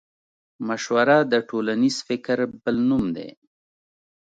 مشوره د ټولنيز فکر بل نوم دی.